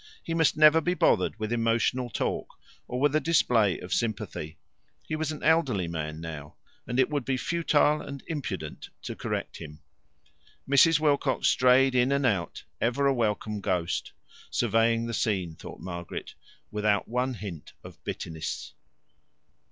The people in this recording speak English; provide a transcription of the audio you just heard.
He must never be bothered with emotional talk, or with a display of sympathy. He was an elderly man now, and it would be futile and impudent to correct him. Mrs. Wilcox strayed in and out, ever a welcome ghost; surveying the scene, thought Margaret, without one hint of bitterness.